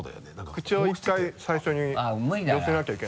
口を１回最初に寄せなきゃいけないです。